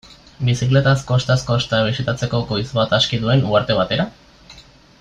Bizikletaz kostaz-kosta bisitatzeko goiz bat aski duen uharte batera?